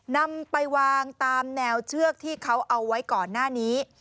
นำไปวางตามแนวเชือกที่เขาเอาไว้ก่อนหน้านี้